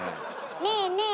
ねえねえ